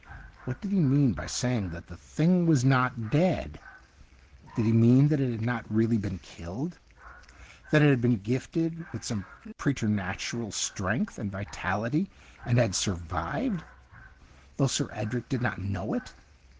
What did he mean by saying that the thing was not dead ? Did he mean that it had not really been killed, that it had been gifted with some preter natural strength and vitality and had survived, though Sir Edrie did not know it